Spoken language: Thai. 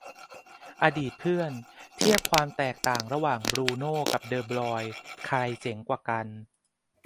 อดีตเพื่อน เทียบความแตกต่างระหว่าง บรูโน่ กับ เดอ บรอยน์ ใครเจ๋งกว่ากัน